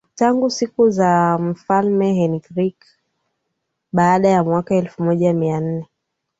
tangu siku za mfalme Henriq baada ya mwaka elfu moja mia nne